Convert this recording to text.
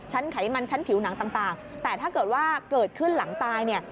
ไขมันชั้นผิวหนังต่างแต่ถ้าเกิดว่าเกิดขึ้นหลังตายเนี่ย